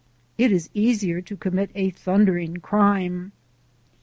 It is easier to commit a thundering crime.